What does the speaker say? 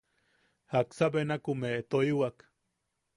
–¿Jaksa benakumeʼe toiwak?